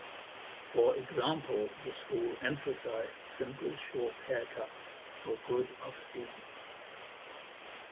For example, the school emphasized simple short haircuts for good of students.